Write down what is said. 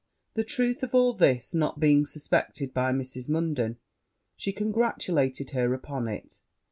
The truth of all this not being suspected by Mrs. Munden, she congratulated her upon it.